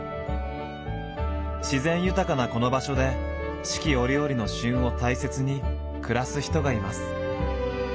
自然豊かなこの場所で四季折々の「旬」を大切に暮らす人がいます。